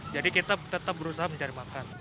jadi kita tetap berusaha mencari makan